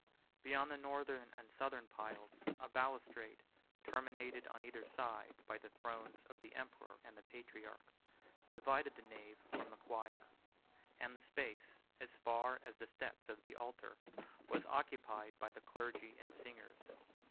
Beyond the northern and southern piles, a balustrade, terminated on either side by the thrones of the emperor and the patriarch, divided the nave from the choir; and the space, as far as the steps of the altar, was occupied by the clergy and singers.